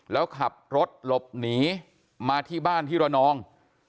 แล้วขับรถหลบหนีมาที่บ้านที่ระนอง